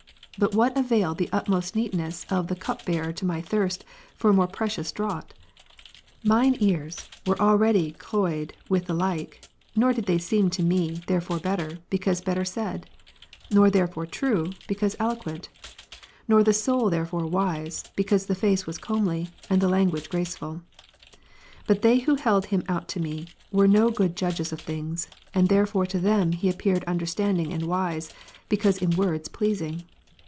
But what availed the utmost neatness of the cup bearer to my thirst for a more precious draught ? Mine ears were already cloyed with the like, nor did they seem to me therefore better, because better said ; nor therefore true, because eloquent ; nor the soul therefore wise, because the face was comely, and the language graceful. But they who held him out to me, were no good judges of things ; and therefore to them he appeared understanding and wise, because in words pleasing.